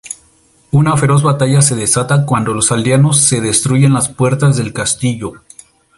Una feroz batalla se desata cuando los aldeanos se destruyen las puertas del castillo.